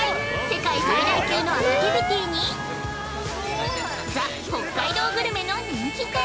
世界最大級のアクティビティーにザ・北海道グルメの人気店